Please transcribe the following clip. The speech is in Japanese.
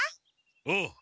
ああ。